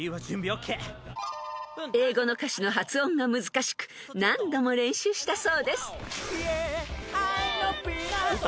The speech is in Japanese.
［英語の歌詞の発音が難しく何度も練習したそうです］